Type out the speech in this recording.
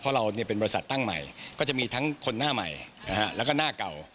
เพราะเราเป็นบริษัทตั้งใหม่ก็จะมีทั้งคนหน้าใหม่แล้วก็หน้าเก่า